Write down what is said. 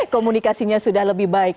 komunikasinya sudah lebih baik